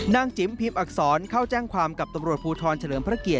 จิ๋มพิมพ์อักษรเข้าแจ้งความกับตำรวจภูทรเฉลิมพระเกียร